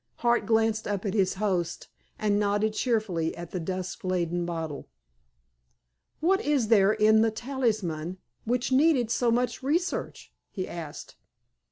Hart glanced up at his host, and nodded cheerfully at a dust laden bottle. "What is there in 'The Talisman' which needed so much research?" he asked.